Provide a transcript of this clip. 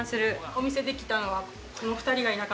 お店できたのは。